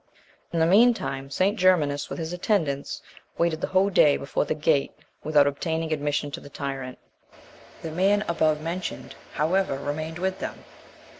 In the meantime, St. Germanus, with his attendants, waited the whole day before the gate, without obtaining admission to the tyrant. 34. The man above mentioned, however, remained with them.